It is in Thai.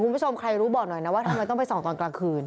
คุณผู้ชมใครรู้บอกหน่อยนะว่าทำไมต้องไปส่องตอนกลางคืน